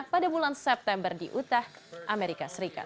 pada bulan september di utah amerika serikat